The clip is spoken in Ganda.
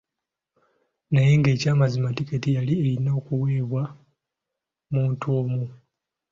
Naye nga ekyamazima tikeeti yali erina kuweebwa muntu omu.